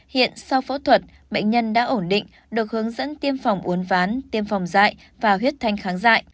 hiện sau phẫu thuật bệnh nhân đã ổn định được hướng dẫn tiêm phòng uốn ván tiêm phòng dại và huyết thanh kháng dại